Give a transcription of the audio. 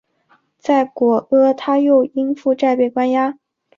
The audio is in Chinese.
在果阿他又因负债被关押。